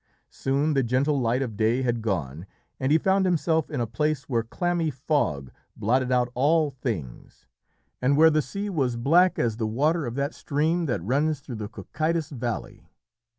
Soon the gentle light of day had gone, and he found himself in a place where clammy fog blotted out all things, and where the sea was black as the water of that stream that runs through the Cocytus valley.